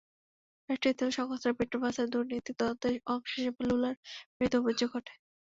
রাষ্ট্রীয় তেল সংস্থা পেট্রোবাসে দুর্নীতি তদন্তের অংশ হিসেবে লুলার বিরুদ্ধে অভিযোগ ওঠে।